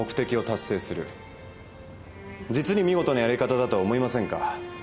実に見事なやり方だとは思いませんか？